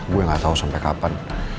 gue gak tau sampai kapan